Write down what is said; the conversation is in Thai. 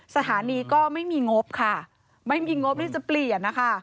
สถานีก็ไม่มีงบค่ะไม่มีงบที่จะเปลี่ยนนะคะ